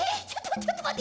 ちょっと待って。